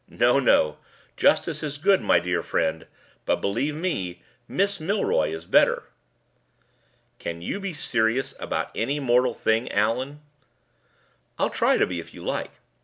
No! no! Justice is good, my dear friend; but, believe me, Miss Milroy is better." "Can you be serious about any mortal thing, Allan?" "I'll try to be, if you like.